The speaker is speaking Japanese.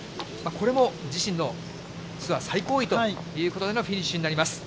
これも自身のツアー最高位ということでのフィニッシュになります。